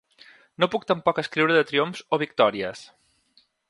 No puc tampoc escriure de triomfs o victòries.